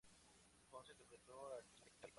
Alfonso interpretó al personaje de Charlie Babbitt.